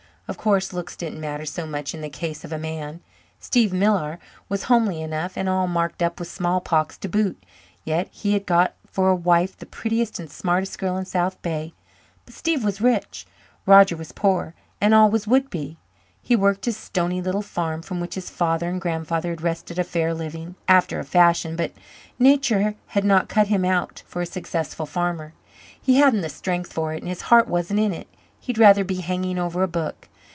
Of course looks didn't matter so much in the case of a man; Steve Millar was homely enough, and all marked up with smallpox to boot, yet he had got for wife the prettiest and smartest girl in South Bay. But Steve was rich. Roger was poor and always would be. He worked his stony little farm, from which his father and grandfather had wrested a fair living, after a fashion, but Nature had not cut him out for a successful farmer. He hadn't the strength for it and his heart wasn't in it. He'd rather be hanging over a book.